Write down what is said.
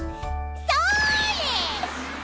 それ！